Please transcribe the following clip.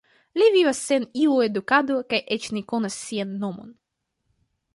Li vivas sen iu edukado kaj eĉ ne konas sian nomon.